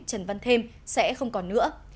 trần văn thêm sẽ không còn nữa